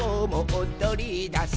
おどりだす」